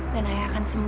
dan ayah akan sembuh